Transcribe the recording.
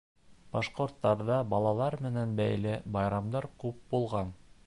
Башҡорттарҙа балалар менән бәйле байрамдар күп булған